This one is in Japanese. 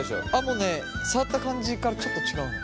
もうね触った感じからちょっと違うのよ。